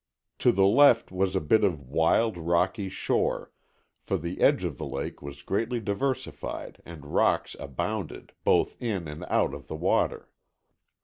To the left was a bit of wild, rocky shore, for the edge of the lake was greatly diversified and rocks abounded, both in and out of the water.